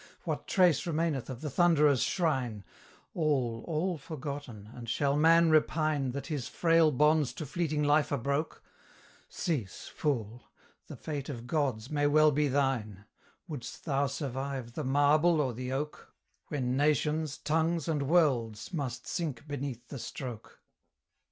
What trace remaineth of the Thunderer's shrine? All, all forgotten and shall man repine That his frail bonds to fleeting life are broke? Cease, fool! the fate of gods may well be thine: Wouldst thou survive the marble or the oak, When nations, tongues, and worlds must sink beneath the stroke?